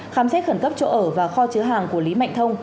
khám xét khẩn cấp chỗ ở và kho chứa hàng của lý mạnh thông